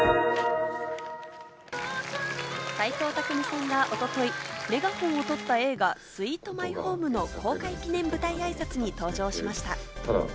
齊藤工さんがおととい、メガホンをとった映画『スイート・マイホーム』の公開記念舞台あいさつに登場しました。